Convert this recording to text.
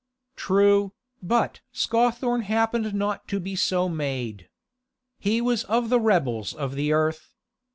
True, but Scawthorne happened not to be so made. He was of the rebels of the earth.